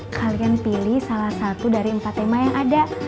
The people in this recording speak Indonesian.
kalian pilih salah satu dari empat tema yang ada